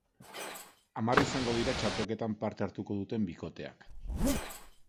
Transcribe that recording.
Hamar izango dira txapelketan parte hartuko duten bikoteak.